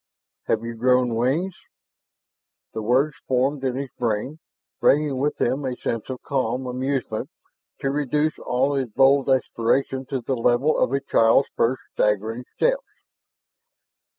"Have you grown wings?" The words formed in his brain, bringing with them a sense of calm amusement to reduce all his bold exploration to the level of a child's first staggering steps.